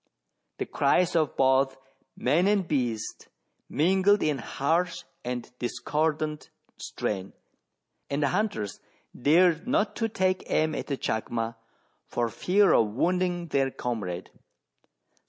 The cries of both man and beast mingled in harsh and discordant strain, and the hunters dared not take aim at the chacma for fear of wounding their comrade.